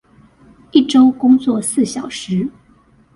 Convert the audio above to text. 一週工作四小時